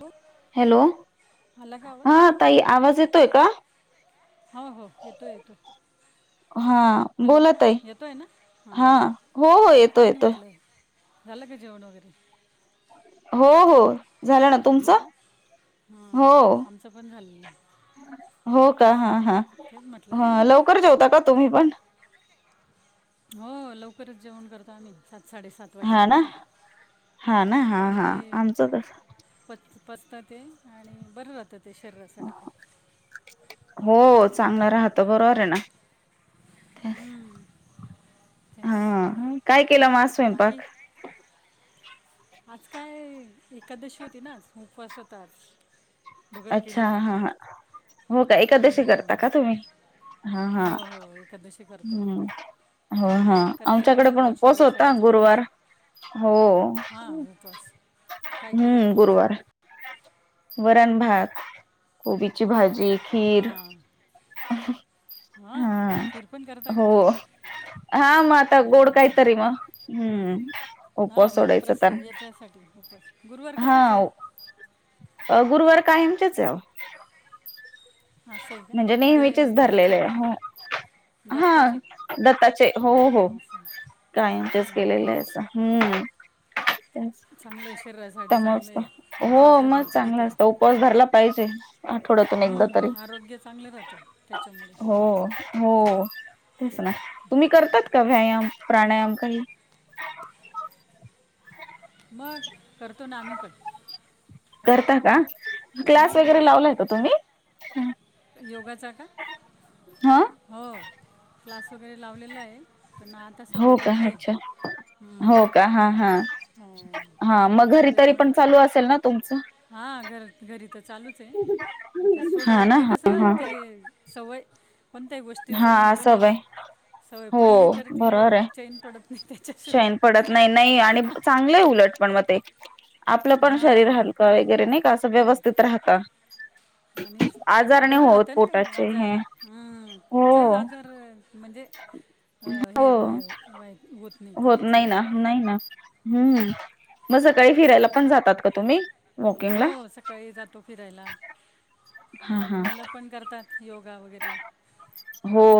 हो हॅलो आला का आवाज हा ताई आवाज येतोय का. हो हो येतोय. येतोय. हा बोला ताई. ना हां हा हो हो येतोय काय नाही येतोय. म्हटलं झालं का जेवण वगैरे. हो हो झालं ना तुमचं. हा हो आमचं पण झालेलं आहे. हो का तेच हा ना हा तेच म्हटलं ह लवकर जेवता का तुम्ही पण. हो लवकरच जेवण करतो आम्ही सात साडेसात हा ना वाजेपर्यंत हा ना हा कारण हा की आमचं तस पच पचतं ते. आणि बरं राहंतत शरीरासाठी पण. हो चांगलं राहत. बरोबर आहे ना. तेच तेच हा काय केलं मग आज बाकी स्वयंपाक. आज काय एकादशी होती ना आज. उपवास होता आज. भगर केली अच्छा. ह होती ह ह हो का एकादशी हम्म. करता का तुम्ही. हा हा हो हो एकादशी करतो हम्म हा हा करायला आमच्याकडे पाहिजे पण बुवा उपवास होता शरीरासाठी चांगली गुरुवार. असते हो. हां उपवास काय केलं होतं हम्म माझ गुरुवार. वरण भात कोबीची भाजी. ती खीर हां हां हा खीर पण करता का हो हा मग आता गोड काय तरी म हा मग प्रस् याच्यासाठी उपवास गुरुवार कशाचे आहे. अ गुरुवार कायमचेच आहे अहो. असं आहे का म्हणजे दे नेहमीचेच याचे धरलेले आहे. हा दत्ताचे दत्ताचे. हो हो. असं कायमचेच केलेलं आहें. हम्म त्याज चांगलं आहे शरीरासाठी त्यामुळे चांगलं तर, आहे हो उपवास म धरणं चांगल कधीतरी असत उपवास धरला पाहिजे. आठवड्यातून एकदा तरी. हम्म, आरोग्य चांगलं राहतं त्याच्यामुळे. हो हो तेच ना तुम्ही करतात का? व्यायाम, प्राणायाम काही. ह करतो ना आम्ही पण. करता का. क्लास मग वगैरे मग लावलाय का तुम्ही कर योगाचा का. हा हो क्लास वगैरे लावलेला आहे. पण आता सध्या हो का बंद आहे अच्छा. हो का हा हा हो, हा थोडी मग घरी तरी तब्येतमुळे पण चालू असेल ना तुमचं. हां घर घरी तर चालूच आहे. ते हा सोडं ना ते हा कसं हा ते सवय कोणत्याही गोष्टीच हा म्हणतो ना असं व्हय आपण. सवय हो पडली तर ती बरोर आहे. चैन पडत नाही चैन त्याच्याशिवाय पडत नाही. नाही आणि चांगलं उलट. [unintelligible] [unintelligible] आपलं पण शरीर हां हलकं वगैरे नाही का असं आणि व्यवस्थित राहत आणि बरं राहत ना ते आजार... हे हम्म.. हो कुठलेच आजार म्हणजे... अ... हे... हो वाय.. वाय होत नाही, खरंच ए ना नाही ना हम्म मग सकाळी फिरायला पण त्याच्या- जातात का तुम्ही, वॉकिंगला? हो सकाळी जातो फिरायला हा हा मुलं पण करतात योगा वगैरे हो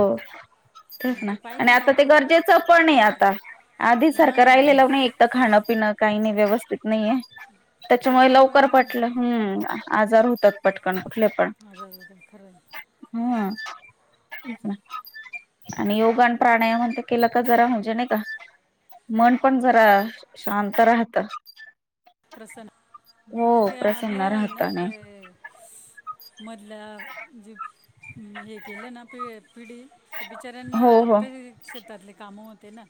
तेच ना... म्हणजे आणि पाहिजे आता बुवा ते थोडंफार गरजेचं पण ए आता आधी सारखं हां राहिलेलं नाही एक तर खाणंपिणं काही नाई व्यवस्थित नाहीये, त्याच्यामुळे लवकर पटलं... ह... आजार होतात पटकन आजार होतात खरंय हा तेच ना आणि योग आणि प्राणायाम ते केला का जरा म्हणजे नाई का मन पण जरा शांत राहत. प्रसन्न हो म्हण ते प्रसन्न आपल्या हे राहत ना आणि काय मधल्या जे हे केलं ना [unintelligible] पिढी, तर बिचाऱ्यांना हो हो फक्त हे शेतातले कामं होते ना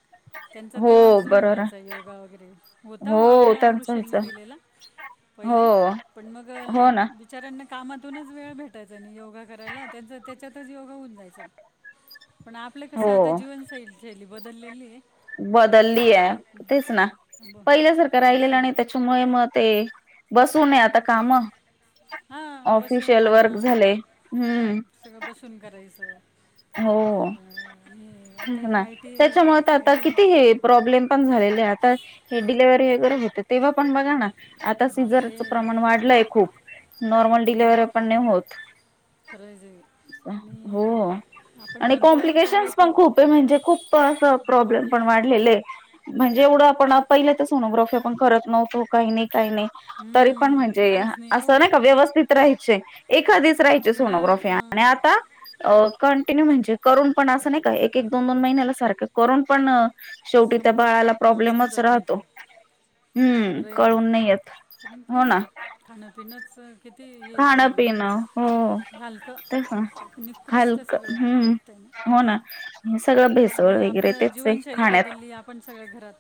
त्यांचा हो तेव्हाच होऊन बरोबर जायचा योगा वगैरे... होता हो व आपल्या त्यांच ऋषी नी ह्याच दिलेला... हो पहिले, पण मग हो ना बिचाऱ्यांना कामातूनच वेळ भेटायचा नाई योगा करायला, त्यांचा त्याच्यातच योगा होऊन जायचा पण आपलं हो कसं, आता जीवनशैली शैली बदललेली ए बदलली ए... तेच ना, ब पहिल्या सारखं राहिलेलं बसून नाई त्यामुळे मग ते, बसून हाये आता कामं हा बसून खाणं, हम्म सगळं बसून करायचं हो. अं, आणि आता तेच ना, आय टी त्याच्यामुळे आय आता टी किती हे प्रॉब्लेम पण झालेले आता हे डिलेव्हरी वगैरे हो तेव्हा पण बघा ना आता बापरे सीझरचं प्रमाण वाढलंय खूप, नॉर्मल डिलिव्हरी खूप पण खूप नाही होत [unintelligible] आणि हो आपण आणि म्हणतो तेवढं कॉम्प्लिकेशन्स पण खूप ए म्हणजे खूप असं प्रॉब्लेम पण वाढल्या वाढलेले ए म्ह जेवढं आपण पहिल्या तर सोनोग्राफी आपण करत नव्हतो काही नाही काही नाही तरी पण हम्म, म्हणजे, काहीच असं नाही का हो व्यवस्थित राहायचे एखादीच राहाची बिना सोनोग्राफी आणि हं, आता कंटिन्यू म्हणजे करून पण असं नाही एक एक दोन दोन महिन्याला सारखं करून पण शेवटी त्या समजत बाळाला हां प्रॉब्लेमच समजत नाही राहतो ते हम्म... खरं आहे ते कळून नाही येत, कारण हो की ना खाणं पिणंच किती हे खाणं झालेलं पिणं... आहे हो... तेच ना, हलकं निकृष्ट हलकं सगळं हम्म भेटतंय हो ना. हे सगळं भेसळ आणि वगैरे आपलं तेच आहे जीवनशैली खाण्यात बदलली आपण सगळ्या घरात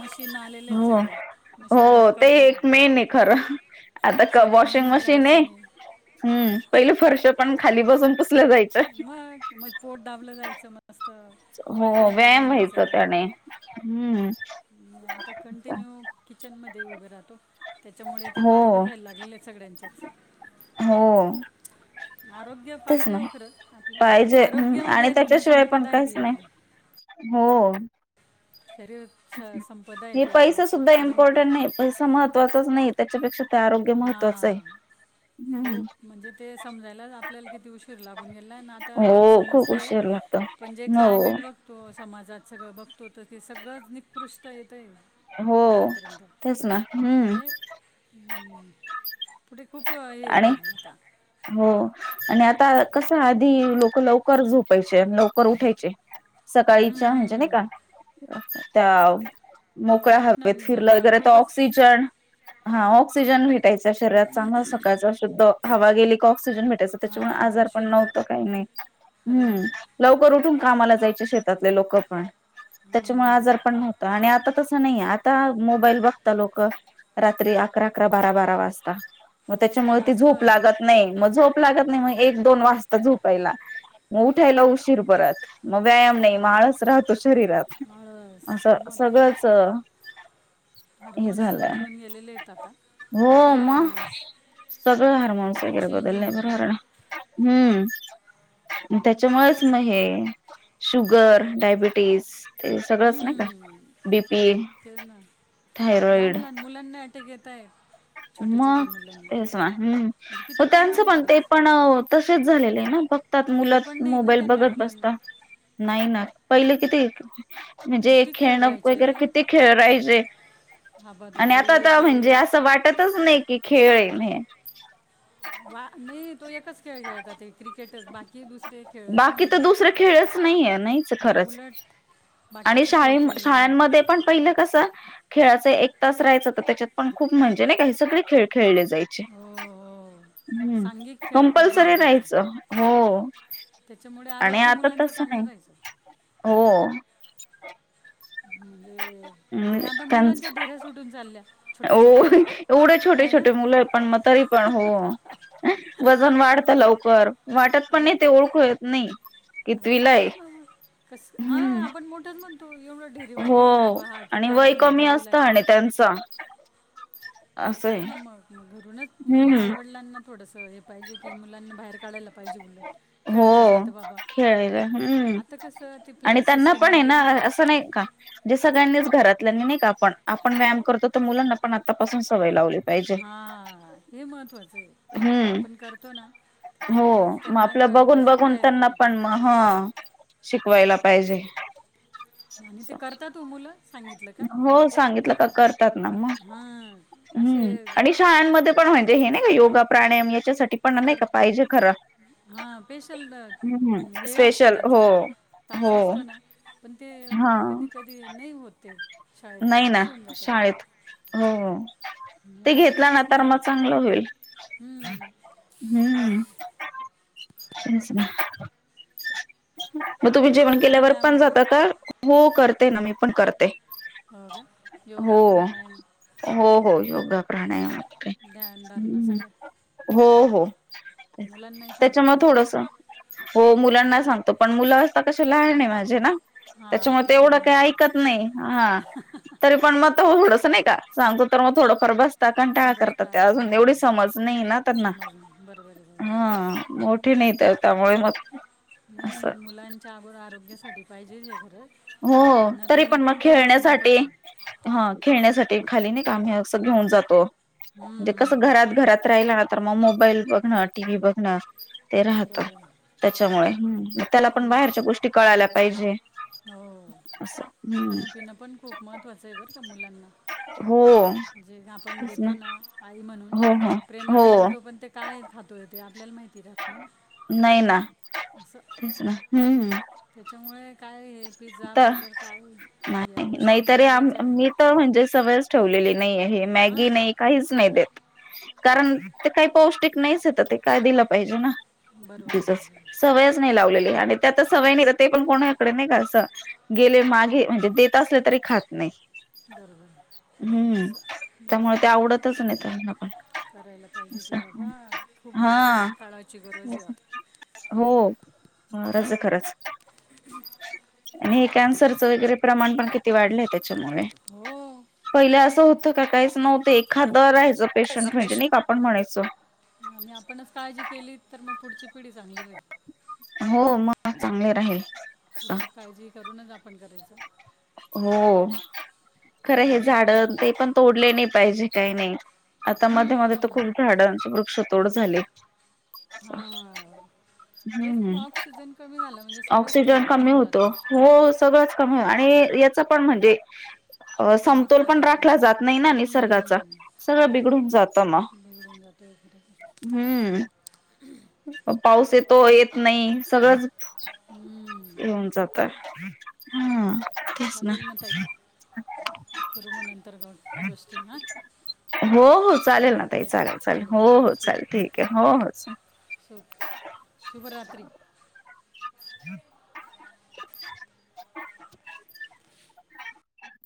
मशीन आलेले आहेत हो सगळे हो.. मशीनने ते करतो एक, मेन ए खरं... आता... क... स्वतः वॉशिंग मेहनत मशीन ए करायची नाही हम्म... पहिल्या फरशा पण खाली बसून पुसलं जायचं मग म पोट दाबलं जायचं मस्त हो व्यायाम व्हायचा त्याने... हम्म मी आता कंटिन्यू किचन मध्ये उभं राहतो त्याच्यामुळे ते हो पाय दुखायला लागलेले हेत सगळ्यांच्याच हो. आरोग्य तेच पाहिजे ना हो खरं आपलं... पाहिजे हम्म, आरोग्य आणि म्हणजे त्याच्याशिवाय पण धनसंपदा काहीच [unintelligible] नाही आपली हो. शरीर स- संपदा आहे हे ती आपली पैसा सुद्धा कारण की इम्पॉर्टंट नाही पैसा महत्त्वाचाच नाही त्याच्यापेक्षा- आरोग्य महत्त्वाचं आहे. हां हम्म खूप म्हणजे ते समजायला आपल्याला किती उशीर लागून गेला आणि आता हो खूप समजतय. उशीर हो. समाजात सगळं बघतोतं ते सगळंच निकृष्ट येत. हो तेच ना हम्म. म्हणजे पुढे खूप हे आणि होईल आता हो. आणि आता. आता कस आधी लोक लवकर झोपायचे, लवकर उठायचे. सकाळीच्या म्हणजे नाही हम्म. का त्या. ते मोकळ्या उठणं हवेत आणि फिरलं झोपण्यावर वगैरे तर खूपच ऑक्सिजन हा ऑक्सिजन भेटायच शरीरात चांगलं असं. शुद्ध हवा गेली का, ऑक्सीजन. ऑक्सिजन भेटायचं, त्याच्यामुळे हां आजार पण शुद्ध नव्हत काही खरं आहे नाही् ते लवकर उठून कामाला जाय शेतातले लोक पण, त्याच्यामुळे हम्म. आजार पण नव्हता आणि आ तस नाहीे आता मोबाईल बघता लोक, रात्री अकरा-अकरा-बारा बारा वाजता. मग त्याच्यामुळे ती जास्त झोप लागत नाही, मग झोप लागत नाही, मग एक दोन वाजता झोपायला, मग उठायला उशीर परत. मग व्यायाम नाही, मा आळस राहतो शरीरात, आळस असं मग ते सगळंच हे हार्मोन्स झालं बदलून गेलेले आहेत आता. हो सगळे मग हार्मोन्स सगळं हार्मोन्स वगैरे चेंज बदलणे होऊन बरर गेलेली हम्म. तर का त्याच्यामुळेच म हे शुगर, डायबिटीस. ते सगळंच नाही का हम्म, बी. पी, तेच ना लहान थायरॉइड. लहान मुलांना [inaudible] छोट्या मग मुलांना तेच म ह्. म्हणजे किती मग त्यांचं कमाल आहे पण ते खरंच पण तसे. झालेलं आहे ना, बघतात खेळ पण मुलं नाही ना मोबाईल त्यांना बघत मुलांना बसता. नाही ना. पहिले किती म्हणजे किती खेळ खेळणं राहायचे वगैरे किती खेळ रायचे. आणि आता हाबाधोबी तर ते म्हणजे असं वाटतच नाही कि खेळन हे. वा नाही. तो एकच खेळ खेळतात. ते क्रिकेटच बाकी दुसरे खेळच बाकी तर नाही. दुसरे खेळच नाहीये नाहीच खरंच उलट आणि बाकीचे खेळ शाळे खेळल्याने शाळांमध्ये पण पहिलं कस. खेळाचा एक तास राहायचा, तर त्याच्यात पण खूप म्हणजे नाही काही सगळे खेळ. खेळले जायचे, हो हो हम्. सांघिक खेळ खूप भारी कपल्सरी राहायचा राहायच हो, त्याच्यामुळे आणि आरोग्य आता मुलांचं तस चांगलं नाही. राहायचं हो. आणि आता मुलांच्या ढेऱ्या सुटून चालल्या. हो छोट्या छोट्या एवढे आहे ना छोटे-छोटे मुलं, पण मग तरी पण हो वजन वाढत लवकर. वाटत हा पण मग नाही. ते ओळखू येत नाही. मग कितवीला आहे तेच बाबा कस, हा हम्म आपण मोठंच म्हणतो. एवढं ढेरी हो वाढलेली बाबा हा आणि किती वय आठवण कमी दहावीला आहे का असतं काय त्यांच. तेच ना मग, घरूनच मुलं हम्म आई-वडिलांना थोडस हे पाहिजे. की मुलांना बाहेर काढायला पाहिजे, हो खेळात जात बाबा, खेळायला आता कसं ते फ्लॅट सिस्टम. अस नाही का. सगळ्यांनीच घरातल्या नाही का आपण, आपण व्यायाम करतो तर मुलांना पण आतापासून सवय लावली. पाहिजे हा हे महत्वाचं आहे. हम्म आपण करतो ना. ते हो खरंच मग त्यांना आपलं क बसून बघून-बघून द्यायला त्यांना पाहिजे पण तेवढं मग ह शिकवाय लायला पाहिजे. आणि ते करतात ओ मुलं, सांगितलं का हो बरोबर सांगितलं का करतात ना मग हा. हम्म आणि शाळांमध्ये पण म्हणजे हे नाही का योगा प्राणायाम याच्यासाठी पण नाही का. पाहिजे खरं. हा पेशल हम्म हे असतो स्पेशल हो त्यांच्यात. तास हो असतो ना, पण ते हा कधी-कधी नाही होत ते. शाळेत नाही पण ना, असं होऊन जातं ते शाळेत हो हो. ते घेतलं ना अवेअरनेस तर नाही मग चांगलं होईल आहे हम्म. तेच ना मग तुम्ही जेवण करता का केल्यावर व्यायाम पण वगैरे जात का? हो करते ना मी पण करते. हो का? हो योगा, प्राणायाम. हो हो योगा ध्यान धारणा प्राणायाम सगळं हो- हो. मुलांनाही सांगता का त्याच्यामुळे थोडस. मग हो मुलांना सांगतो पण मुला आता लहान आहेत माझे ना.? त्याच्यामुळे ते एवढं काही ऐकत नाही हा तरी पण मग सोडत नाही. सांगतो तर मग थोडंफार बसतात कंटाळा करतात बसतात त्या हां अजून हां एवढी समज नाही ना त्यांना.? समजलं बरोबर आहे हा बरोबर मोठे नाही तर त्यामुळे मग. नाही असं मण मुलांच्या अगो आरोग्यासाठी पाहिजे हे खरच हो खाण तरी पिणं मग पण. तेवढंच खेळण्यासाठी महत्त्वाचं आहे हा खेळण्यासाठी आम्ही अस खाली हे अस घेऊन जातो. म्हणजे कस हम्म, घरात घरात राहिल ना तर मग मोबा. ईल बघणं टी व्ही बघणं. ते राहतो बरोबर त्याच्यामुळे ह त्याला पण खाणं बाहेरच्या गोष्टी कळायला पाहिजे? अस हम्म. खेळन न पण खूप महत्त्वाचं आहे बर का मुलांना. हो जे आपण देतो ना आई म्हणून. हो हो प्रेमाणे हो देतो पण ते काय खातोय ते. आपल्याला माहिती राहत नाही ना नाही ना असं तेच ना हम्म त्याच्यामुळे काय हे पिझ्झा तर बर्गर काय या नाही गोष्टी नाहीतरी आम मैद्याच्या. मी तर म्हणजे सवयच ठेवलेली नाही आहे मॅगी हां नाही काहीच नाही देत. कारण ते काही पौष्टिक नाहीच येत ते काय दिलं पाहिजे ना? ती बरोबर बरोबर सवयच नाही लावलेली आणि ते आता सवय नाही ते पण कोणाकडे नाही का अस- गेले मागे म्हणजे देत असले तरी खात नाहीत. हम हम्म त्यामुळे ते आवडतच नाही त्यांना पन करायला पाहिजे ते बाबा खूप हा गरजेच काळाची गरज आहे आता हो रज खरंच हम्म आणि हे कॅन्सरच वगैरे प्रमाण पण किती वाढलं त्याच्यामुळे हो पहिल असं होत होत का काहीच नव्हतं एखादं राईज आणि आपणच काळजी केली तर मग पुढची- पिढी चांगली रे. आत्ताच चांगले राहील. असं. थोडीशी काळजी करूनच आपण करायचं. हो खरं हे खायला झाड प्यायला ते पण तोडले नाही पाहिजे. काही नाही आता मध्ये मध्ये तर हम्म. खूप झाडांचे वृक्षतोड झाले. हा. ह्म्म सगळं स्तर ऑक्सिजन कमी होऊन होतो जातो हो सगळंच. आणि याच पण म्हणजे? अ समतोल पण निसर्गाचा राखला जात नाही ना निसर्गाचा हम्म. सगळं बिघडून जातं मग? हम्म [inaudible] पाऊस येत- तो येत नाही सगळंच हम्म. येऊन जातय ह्म्म चालेल मग तही करू मग नंतर कॉल गोष्टी हो हो चालेल ना ताई ओके चालेल चालेल हो हो ओके चालेल ठीक आहे हो हो चा शुभरात्री हम्म